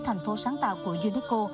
thành phố sáng tạo của unico